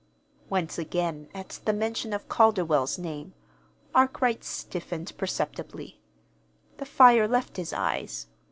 Once again at the mention of Calderwell's name Arkwright stiffened perceptibly. The fire left his eyes.